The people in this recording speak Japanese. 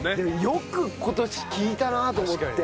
よく今年聴いたなあと思って。